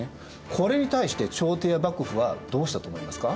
これに対して朝廷や幕府はどうしたと思いますか？